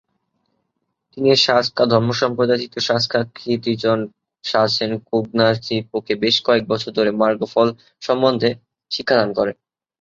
তিনি সা-স্ক্যা ধর্মসম্প্রদায়ের তৃতীয় সা-স্ক্যা-খ্রি-'দ্জিন সা-ছেন-কুন-দ্গা'-স্ন্যিং-পোকে বেশ কয়েক বছর ধরে মার্গফল সম্বন্ধে শিক্ষাদান করেন।